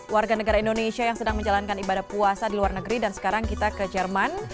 warga negara indonesia yang sedang menjalankan ibadah puasa di luar negeri dan sekarang kita ke jerman